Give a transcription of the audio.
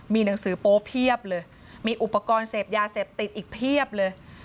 มีหนังสือโป๊เพียบเลยมีอุปกรณ์เสพยาเสพติดอีกเพียบเลย